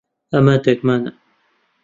ئەمە دەگمەنە.